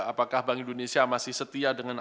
apakah bank indonesia masih setia dengan